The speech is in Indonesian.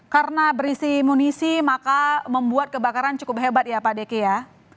karena berisi munisi maka membuat kebakaran cukup hebat ya pak deki ya